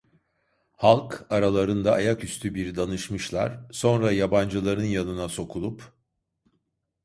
Halk, aralarında ayaküstü bir danışmışlar, sonra yabancıların yanına sokulup: